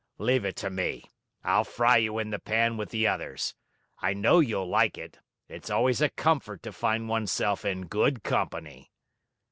Leave it to me. I'll fry you in the pan with the others. I know you'll like it. It's always a comfort to find oneself in good company."